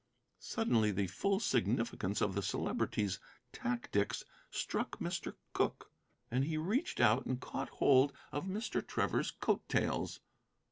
Suddenly the full significance of the Celebrity's tactics struck Mr. Cooke, and he reached out and caught hold of Mr. Trevor's coattails.